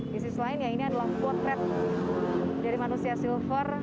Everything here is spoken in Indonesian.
di sisi lain ya ini adalah potret dari manusia silver